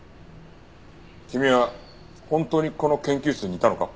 君は本当にこの研究室にいたのか？